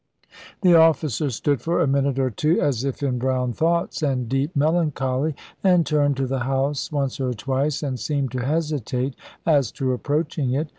The officer stood for a minute or two, as if in brown thoughts and deep melancholy, and turned to the house once or twice, and seemed to hesitate as to approaching it.